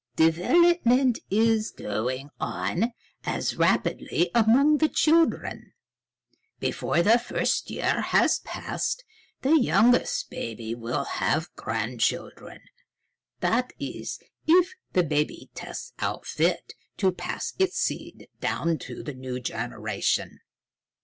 "Development is going on as rapidly among the children. Before the first year has passed, the youngest baby will have grandchildren; that is, if the baby tests out fit to pass its seed down to the new generation.